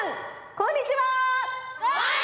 こんにちは！